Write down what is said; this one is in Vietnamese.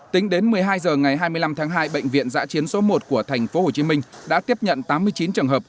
tính đến một mươi hai h ngày hai mươi năm tháng hai bệnh viện giã chiến số một của tp hcm đã tiếp nhận tám mươi chín trường hợp